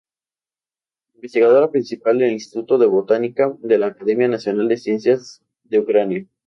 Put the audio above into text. Investigadora principal del Instituto de Botánica, de la Academia Nacional de Ciencias de Ucrania.